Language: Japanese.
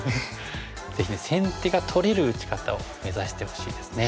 ぜひね先手が取れる打ち方を目指してほしいですね。